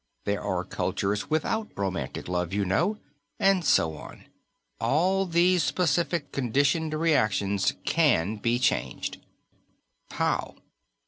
There are cultures without romantic love, you know. And so on. All these specific, conditioned reactions can be changed." "How?"